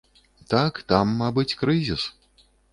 Так, там, мабыць, крызіс.